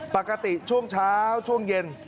ปกติช่วงเช้าช่วงเย็น